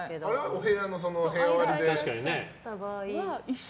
お部屋の部屋割りで。